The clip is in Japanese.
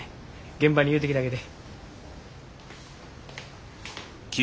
現場に言うてきたげて。